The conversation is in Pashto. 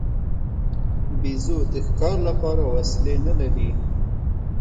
بیزو د ښکار لپاره وسلې نه لري.